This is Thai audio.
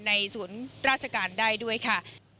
ศูนย์ราชการได้ด้วยค่ะ